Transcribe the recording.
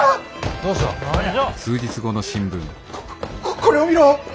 ここれを見ろ！